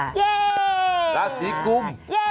เย่ราศีกลุ่ม